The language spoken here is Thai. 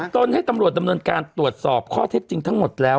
ตนให้ตำรวจดำเนินการตรวจสอบข้อเท็จจริงทั้งหมดแล้ว